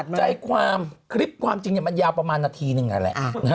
ใจความคลิปความจริงมันยาวประมาณนาทีหนึ่งนั่นแหละ